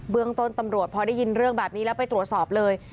ต้นตำรวจพอได้ยินเรื่องแบบนี้แล้วไปตรวจสอบเลย